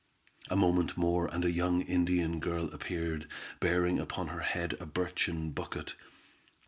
A moment more, and a young Indian girl appeared, bearing upon her head a birchen bucket.